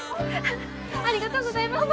ありがとうございます。